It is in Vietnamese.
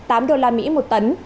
tám usd một tấn